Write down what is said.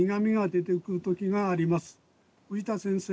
藤田先生